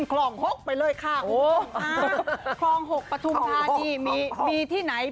ครองหกไปเลยค่ะครองหกประทุมพาที่มีที่ไหน